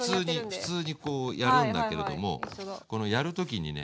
普通にこうやるんだけれどもこのやる時にね